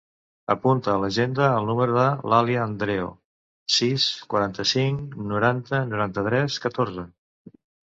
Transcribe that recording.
Apunta a l'agenda el número de l'Alia Andreo: sis, quaranta-cinc, noranta, noranta-tres, catorze.